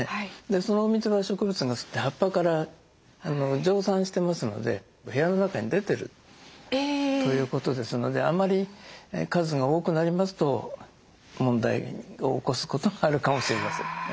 そのお水は植物が吸って葉っぱから蒸散してますので部屋の中に出てる。ということですのであまり数が多くなりますと問題を起こすことがあるかもしれません。